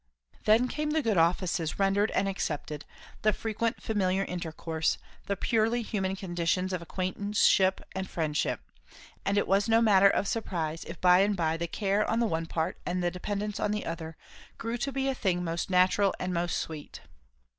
Then came the good offices rendered and accepted; the frequent familiar intercourse; the purely human conditions of acquaintanceship and friendship; and it was no matter of surprise if by and by the care on the one part and the dependence on the other grew to be a thing most natural and most sweet.